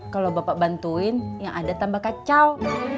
kalau bapak bantuin yang ada tambah kacau